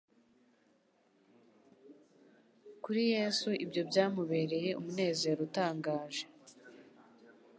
Kuri Yesu ibyo byamubereye umunezero utangaje